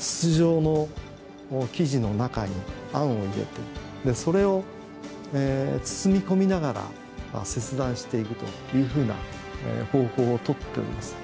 筒状の生地の中にあんを入れてそれを包み込みながら切断していくというふうな方法をとっております。